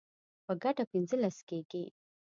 په ګډه پنځلس کیږي